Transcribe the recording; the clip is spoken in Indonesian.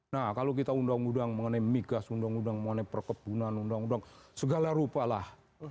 nah kalau kita undang undang mengenai migas perkebunan segala rupalah